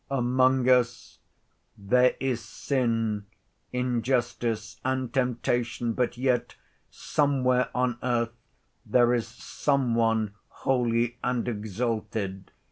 "Among us there is sin, injustice, and temptation, but yet, somewhere on earth there is some one holy and exalted.